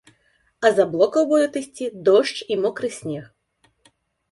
А з аблокаў будуць ісці дождж і мокры снег.